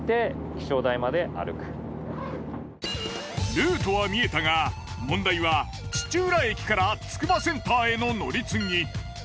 ルートは見えたが問題は土浦駅からつくばセンターへの乗り継ぎ。